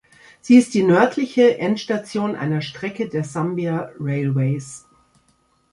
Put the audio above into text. Sie ist die nördliche Endstation einer Strecke der Zambia Railways.